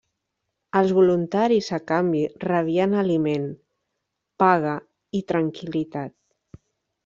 Els voluntaris, a canvi, rebien aliment, paga i tranquil·litat.